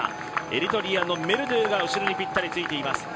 エリトリアのメルドゥが後ろにぴったりついています。